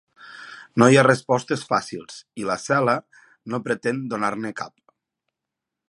No hi ha respostes fàcils i "La cel·la" no pretén donar-ne cap.